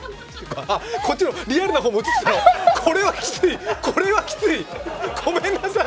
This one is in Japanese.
こっちも、リアルな方も映ってたのこれはきつい。